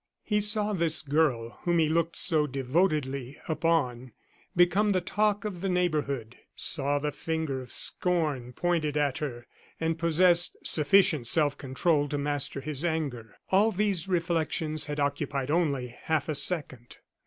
He saw this girl, whom he looked so devotedly upon, become the talk of the neighborhood; saw the finger of scorn pointed at her, and possessed sufficient self control to master his anger. All these reflections had occupied only half a second.